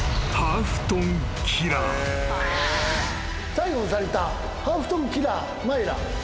逮捕されたハーフトンキラーマイラ。